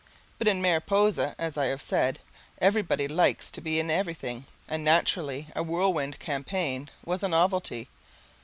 But in Mariposa, as I have said, everybody likes to be in everything and naturally a Whirlwind Campaign was a novelty.